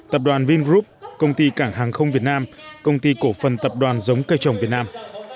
tập đoàn vingroup công ty cảng hàng không việt nam công ty cổ phần tập đoàn giống cây trồng việt nam